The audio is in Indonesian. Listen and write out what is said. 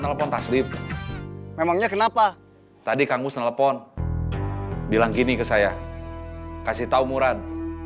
ngelepon taslim memangnya kenapa tadi kangus telepon bilang gini ke saya kasih tahu murad